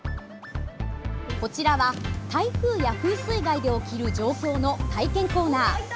こちらは台風や風水害で起きる状況の体験コーナー。